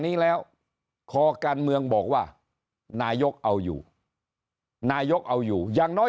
นี้แล้วคอการเมืองบอกว่านายกเอาอยู่นายกเอาอยู่อย่างน้อย